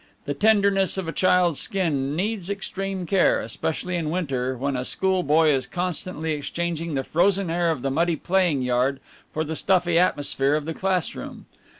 The tenderness of a child's skin needs extreme care, especially in winter, when a school boy is constantly exchanging the frozen air of the muddy playing yard for the stuffy atmosphere of the classroom.